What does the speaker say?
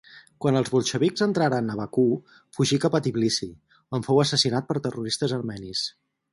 Quan els bolxevics entraren a Bakú fugí cap Tbilisi, on fou assassinat per terroristes armenis.